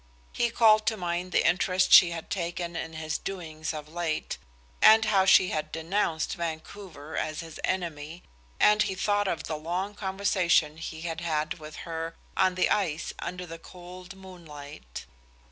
He called to mind the interest she had taken in his doings of late, and how she had denounced Vancouver as his enemy, and he thought of the long conversation he had had with her on the ice under the cold moonlight.